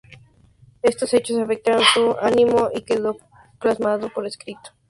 Estos hechos afectaron su ánimo y esto quedó plasmado por escrito.